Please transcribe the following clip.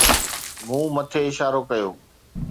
مون مٿي اشارو ڪيو